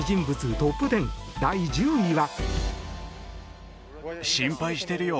トップ１０第１０位は。